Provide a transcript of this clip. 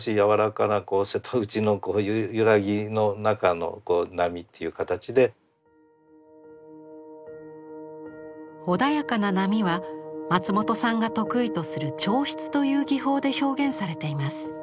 まあこういう穏やかな波は松本さんが得意とする彫漆という技法で表現されています。